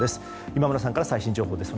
今村さんから最新情報です。